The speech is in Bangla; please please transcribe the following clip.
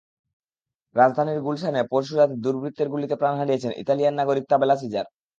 রাজধানীর গুলশানে পরশু রাতে দুর্বৃত্তের গুলিতে প্রাণ হারিয়েছেন ইতালিয়ান নাগরিক তাবেলা সিজার।